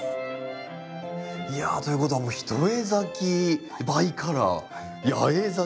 いやということは一重咲きバイカラー八重咲き。